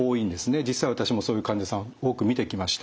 実際私もそういう患者さん多く見てきました。